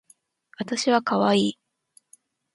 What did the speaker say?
わたしはかわいい